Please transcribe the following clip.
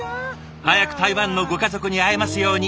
早く台湾のご家族に会えますように。